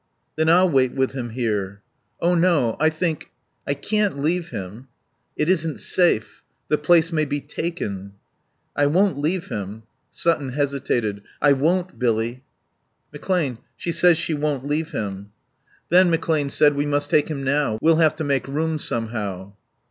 "Then I'll wait with him here." "Oh no I think " "I can't leave him." "It isn't safe. The place may be taken." "I won't leave him." Sutton hesitated. "I won't, Billy." "McClane, she says she won't leave him." "Then," McClane said, "we must take him now. We'll have to make room somehow."